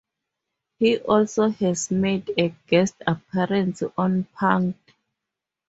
He also has made a guest appearance on "Punk'd".